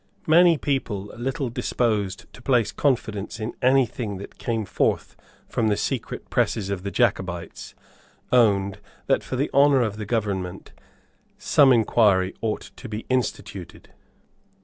Many people little disposed to place confidence in any thing that came forth from the secret presses of the Jacobites owned that, for the honour of the government, some inquiry ought to be instituted.